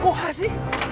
kok a sih